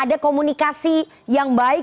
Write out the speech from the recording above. ada komunikasi yang baik